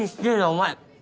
お前。